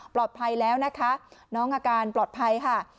แล้วนะคะน้องอาการปลอดภัยค่ะ